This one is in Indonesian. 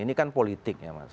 ini kan politik ya mas